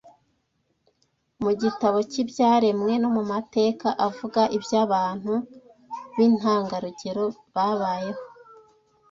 mu gitabo cy’ibyaremwe no mu mateka avuga iby’abantu b’intangarugero babayeho